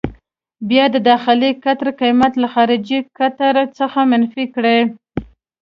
بیا د داخلي قطر قېمت له خارجي قطر څخه منفي کړئ.